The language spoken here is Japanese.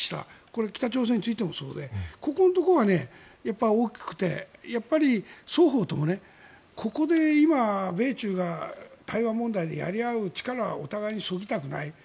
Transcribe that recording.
これ、北朝鮮についてもそうでここのところは大きくて双方ともここで今、米中が台湾問題でやり合う力はお互いにそぎたくない。